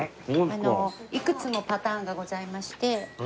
いくつもパターンがございまして。